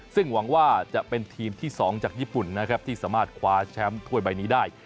ซึ่งหวังว่าจะเป็นทีมที่๒จากญี่ปุ่นนะครับที่สามารถคว้าแชมป์ถ้วยใบนี้ได้